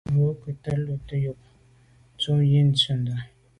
À lo mbe nkôg à to’ nelo’ yub ntum yi ntshundà.